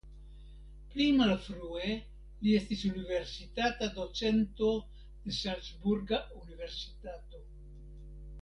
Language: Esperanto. Pli malfrue li estis universitata docento ĉe Salcburga universitato.